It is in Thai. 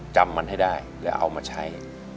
จำมันให้ได้แล้วเอามาใช้